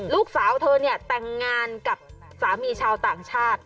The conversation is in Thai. ลูกสาวเธอเนี่ยแต่งงานกับสามีชาวต่างชาติ